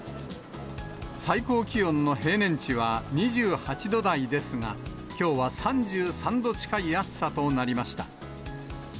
最高気温の平年値は２８度台ですが、きょうは３３度近い暑さとなりました。